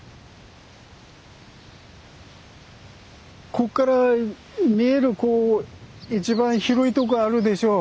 こっから見える一番広いとこあるでしょう